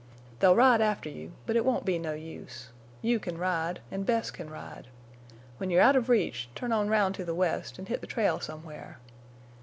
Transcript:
They'll ride after you, but it won't be no use. You can ride, an' Bess can ride. When you're out of reach turn on round to the west, an' hit the trail somewhere.